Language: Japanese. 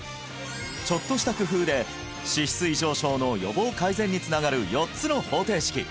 ちょっとした工夫で脂質異常症の予防改善につながる４つの方程式